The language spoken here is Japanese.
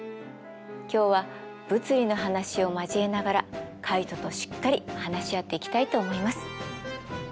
今日は物理の話を交えながらカイトとしっかり話し合っていきたいと思います。